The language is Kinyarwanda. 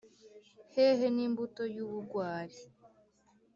hehe n’imbuto y’ubugwari